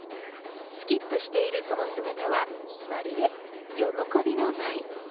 スキップしているその姿はまるで喜びの舞。